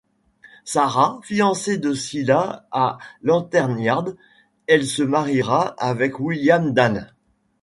Sarah — Fiancée de Silas à Lantern Yard, elle se mariera avec William Dane.